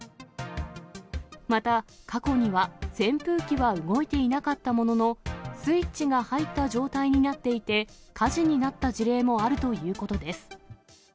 また過去には、扇風機は動いていなかったものの、スイッチが入った状態になっていて、火事になった事例もあるということです。